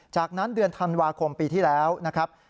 จากนั้นเดือนธันวาคมปีที่แล้วนะครับ